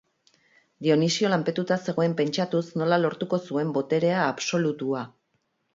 Dionisio lanpetuta zegoen pentsatuz nola lortuko zuen boterea absolutua.